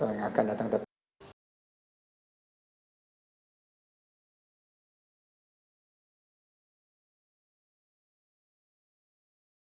yang akan datang ke depan